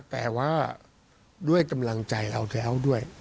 แต่ว่าด้วยกำลังใจเราแล้วด้วย